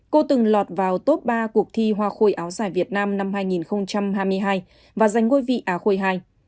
cô từng lọt vào top ba cuộc thi hoa khôi áo dài việt nam năm hai nghìn hai mươi hai và giành ngôi vị á khôi ii